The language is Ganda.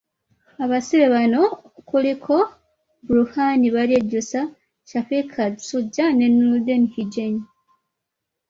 Abasibe bano kuliko Bruhan Balyejjusa, Shafik Kasujja ne Noordin Higenyi.